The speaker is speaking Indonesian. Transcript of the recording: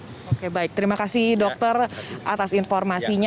oke baik terima kasih dokter atas informasinya